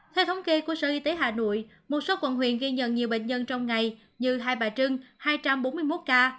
theo thống kê của sở y tế hà nội một số quận huyện ghi nhận nhiều bệnh nhân trong ngày như hai bà trưng hai trăm bốn mươi một ca